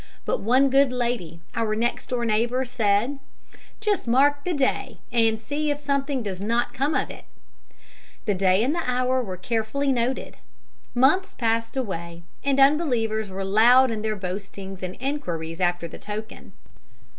But one good lady, our next door neighbour, said: "'"Just mark the day, and see if something does not come of it." "'The day and hour were carefully noted. Months passed away, and unbelievers were loud in their boastings and enquiries after the token.